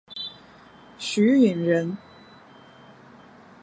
许允人。